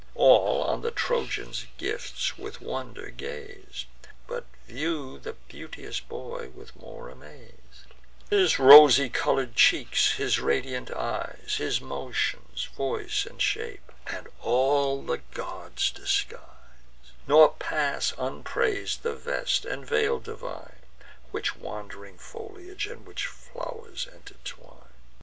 All on the Trojan gifts with wonder gaze, But view the beauteous boy with more amaze, His rosy colour'd cheeks, his radiant eyes, His motions, voice, and shape, and all the god's disguise; Nor pass unprais'd the vest and veil divine, Which wand'ring foliage and rich flow'rs entwine.